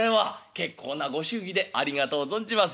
結構なご祝儀でありがとう存じます」。